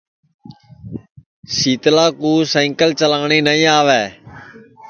شیتلا کُو سئکل چلاٹی نائی آوے